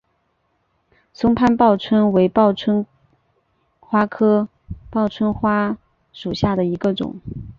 松潘报春为报春花科报春花属下的一个种。